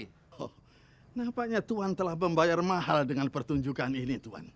oh nampaknya tuhan telah membayar mahal dengan pertunjukan ini tuhan